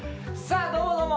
どうもどうも！